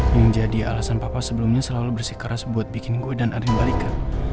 yang jadi alasan papa sebelumnya selalu bersikeras buat bikin gue dan arin balik ke